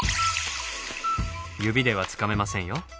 指ではつかめませんよ。